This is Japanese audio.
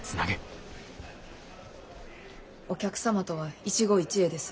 お客様とは一期一会です。